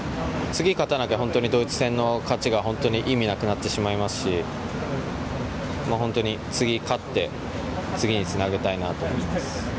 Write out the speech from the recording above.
次、勝たなきゃ本当にドイツ戦の勝ちが意味なくなってしまいますし次、勝って次につなげたいなと思います。